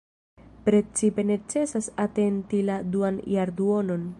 Precipe necesas atenti la duan jarduonon.